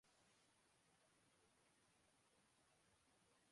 Australia